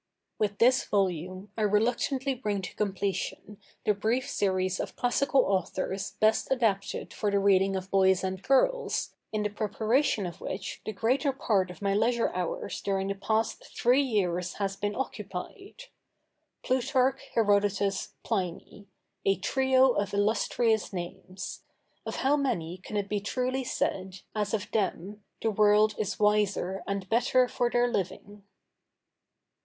With this volume I reluctantly bring to completion the brief series of classical authors best adapted for the reading of boys and girls, in the preparation of which the greater part of my leisure hours during the past three years has been occupied. Plutarch, Herodotus, Pliny—a trio of illustrious names! Of how many can it be truly said, as of them, the world is wiser and better for their living?